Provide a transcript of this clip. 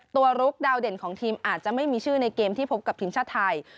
ลุกดาวเด่นของทีมอาจจะไม่มีชื่อในเกมที่พบกับทีมชาติไทย